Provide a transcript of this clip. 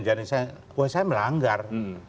jadi saya melanggar